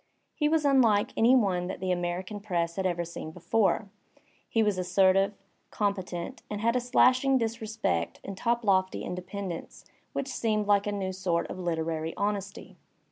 He was unlike any one that the American press had ever seen before; he was assertive, competent^ and had a slashing disrespect and toplofty independence which seemed like a new sort of literary honesty.